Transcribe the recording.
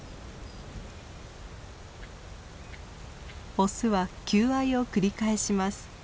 オスは求愛を繰り返します。